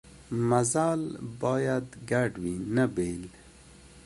مزال باید ګډ وي نه بېل.